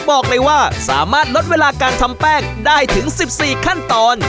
บอกเลยว่าสามารถลดเวลาการทำแป้งได้ถึง๑๔ขั้นตอน